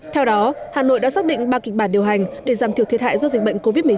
theo đó hà nội đã xác định ba kịch bản điều hành để giảm thiểu thiệt hại do dịch bệnh covid một mươi chín